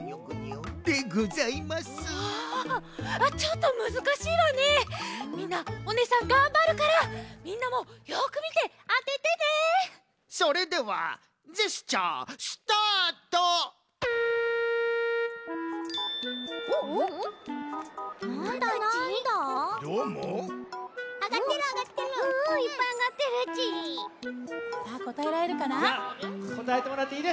こたえてもらっていいですか？